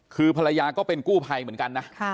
คือภรรยาก็เป็นกู้ภัยเหมือนกันนะ